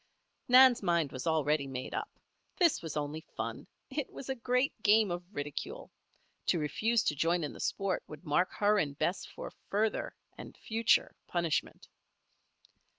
Nan's mind was already made up. This was only fun it was a great game of ridicule. To refuse to join in the sport would mark her and Bess for further, and future, punishment.